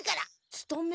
つとめ。